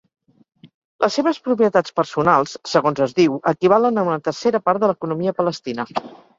Les seves propietats personals, segons es diu, equivalen a una tercera part de l'economia palestina.